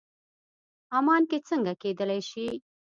عمان کې څنګه کېدلی شي.